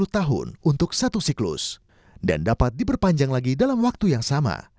sepuluh tahun untuk satu siklus dan dapat diperpanjang lagi dalam waktu yang sama